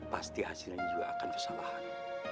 pasti hasilnya juga akan kesalahan